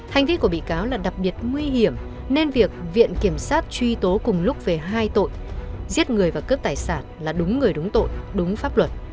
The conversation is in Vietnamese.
hành vi của bị cáo là đặc biệt nguy hiểm nên việc viện kiểm sát truy tố cùng lúc về hai tội giết người và cướp tài sản là đúng người đúng tội đúng pháp luật